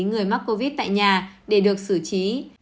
người mắc covid tại nhà để được xử trí